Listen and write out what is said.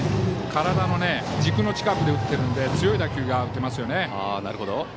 体の軸の近くで打っているので強い打球が打てますよね。